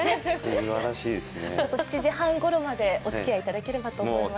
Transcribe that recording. ７時半ごろまでお付き合いいただければと思います。